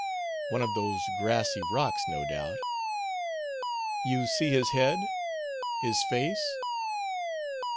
"One of those grassy rocks, no doubt." "You see his head, his face?"